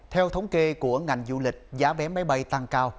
theo thống kê của ngành du lịch giá vé máy bay tăng cao